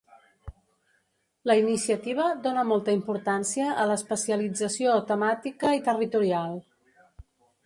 La iniciativa dona molta importància a l'especialització temàtica i territorial.